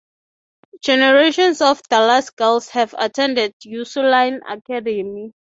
Generations of Dallas girls have attended Ursuline Academy.